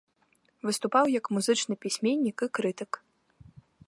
Выступаў як музычны пісьменнік і крытык.